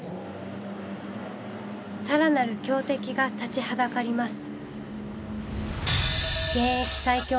更なる強敵が立ちはだかります。